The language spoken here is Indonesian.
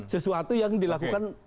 sesuatu yang dilakukan